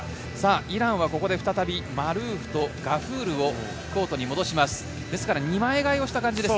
イランはここでマルーフとガフールをコートに戻します。